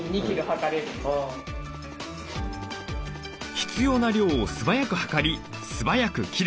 必要な量を素早く量り素早く切る。